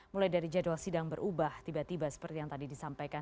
mulai dari jadwal sidang berubah tiba tiba seperti yang tadi disampaikan